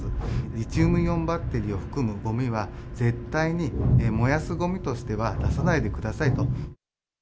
リチウムイオンバッテリーを含むごみは、絶対に燃やすごみとしては出さないでくださいと。